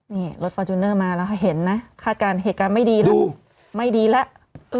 นี่รถฟอร์จูเนอร์มาแล้วเห็นนะคาดการณ์เหตุการณ์ไม่ดีแล้วไม่ดีแล้ว